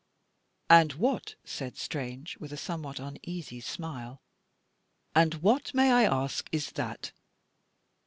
" And what," said Strange, with a some what uneasy smile, " and what, may I ask, is that